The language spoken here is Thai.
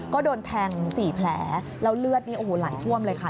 ก็โดนแทง๔แผลแล้วเลือดนี่โอ้โหไหลท่วมเลยค่ะ